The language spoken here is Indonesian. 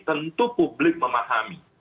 tentu publik memahami